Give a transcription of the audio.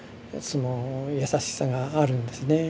その優しさがあるんですね